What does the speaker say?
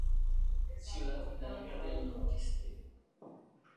Ciudad Hidalga del Nordeste.